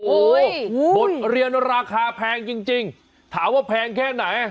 โอ้โหบทเรียนราคาแพงจริงถามว่าแพงแค่ไหน